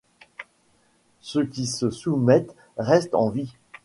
Ceux qui se soumettent restent en vie.